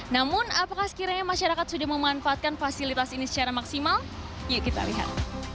namun apakah sekiranya masyarakat sudah memanfaatkan fasilitas ini secara maksimal yuk kita lihat